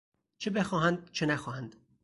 چه بخواهند چه نخواهند.